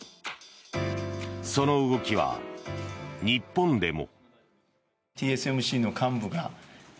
その動きは日本でも。